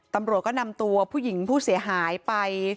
ตำรวจก็นำตัวผู้หญิงผู้เสียหายไป